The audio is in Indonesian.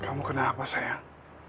kamu kena apa sayang